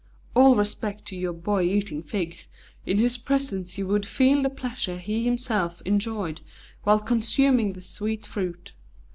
All respect to your Boy Eating Figs, in whose presence you would feel the pleasure he himself enjoyed while consuming the sweet fruit.